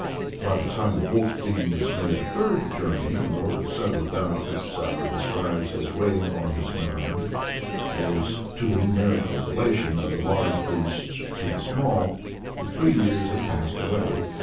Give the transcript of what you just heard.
By the time the wolf fiend has made a third journey in order to settle a doubt which Zachary describes as weighing on his mind as to the numerical relation of the large beasts to the small the three years have passed away.